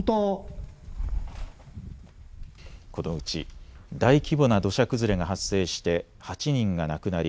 このうち大規模な土砂崩れが発生して８人が亡くなり